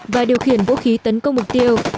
và điều khiển vũ khí tấn công mục tiêu